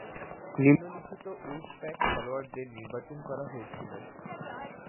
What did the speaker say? নিম্নলিখিত উলফপ্যাক খেলোয়াড়দের নির্বাচন করা হয়েছিল।